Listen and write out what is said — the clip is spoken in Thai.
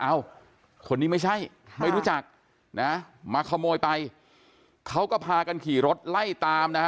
คนนี้ไม่ใช่ไม่รู้จักนะมาขโมยไปเขาก็พากันขี่รถไล่ตามนะฮะ